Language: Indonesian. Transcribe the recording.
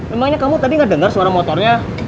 emangnya kamu tadi gak denger suara motornya